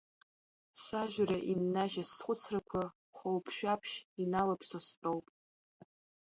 Сажәра иннажьыз схәыцрақәа, хәылԥ шәаԥшь иналаԥсо стәоуп.